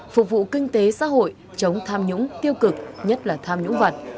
phục vụ kinh tế xã hội chống tham nhũng tiêu cực nhất là tham nhũng vật